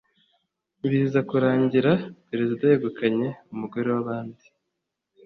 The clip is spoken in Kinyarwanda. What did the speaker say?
biza kurangira Perezida yegukanye umugore w’abandi